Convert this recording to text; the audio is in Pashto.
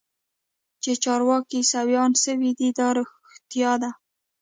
چې چارواکي عيسويان سوي دي دا رښتيا ده.